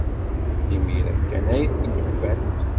Imir-a kan ay ten-id-ufant.